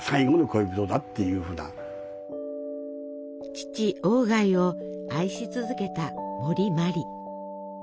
父鴎外を愛し続けた森茉莉。